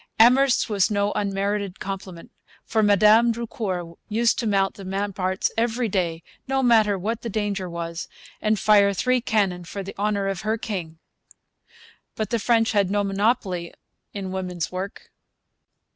Amherst's was no unmerited compliment; for Madame Drucour used to mount the ramparts every day, no matter what the danger was, and fire three cannon for the honour of her king. But the French had no monopoly in woman's work.